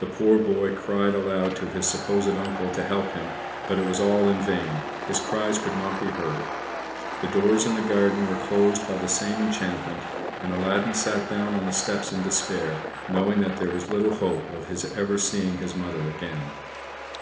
The poor boy cried aloud to his supposed uncle to help him; but it was all in vain, his cries could not be heard. The doors in the garden were closed by the same enchantment, and Aladdin sat down on the steps in despair, knowing that there was little hope of his ever seeing his Mother again.